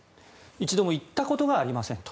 一度も言ったことがありませんと。